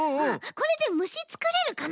これでむしつくれるかな？